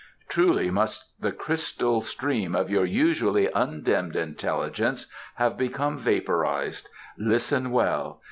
Truly must the crystal stream of your usually undimmed intelligence have become vaporized. Listen well.